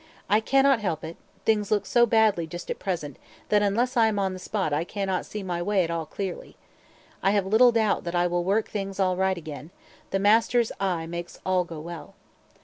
I cannot help it; things look so badly just at present that unless I am on the spot I cannot see my way at all clearly. I have little doubt that I will work things all right again; the master's eye makes all go well.